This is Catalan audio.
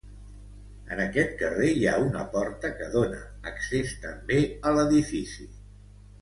En aquest carrer hi ha una porta que dóna accés també a l'edifici.